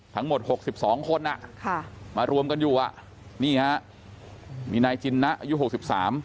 หกสิบสองคนอ่ะค่ะมารวมกันอยู่อ่ะนี่ฮะมีนายจินนะอายุหกสิบสาม